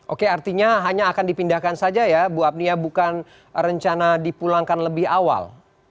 oke artinya hanya akan dipindahkan saja ya bu apnia bukan rencana dipulangkan lebih awal